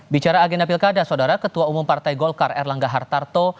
bicara agenda pilkada saudara ketua umum partai golkar erlangga hartarto